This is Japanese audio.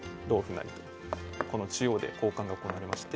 成とこの中央で交換が行われまして。